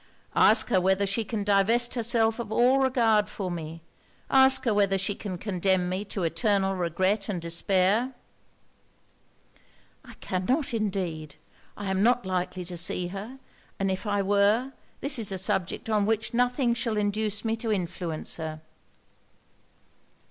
Ask her whether she can divest herself of all regard for me? ask her whether she can condemn me to eternal regret and despair?' 'I cannot indeed. I am not likely to see her; and if I were, this is a subject on which nothing shall induce me to influence her.'